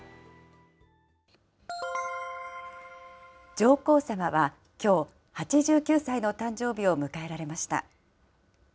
上皇さまはきょう、８９歳の誕生日を迎えられました。